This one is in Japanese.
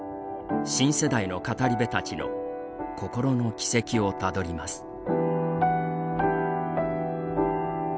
新世代の語り部たちの心の軌跡をたどります。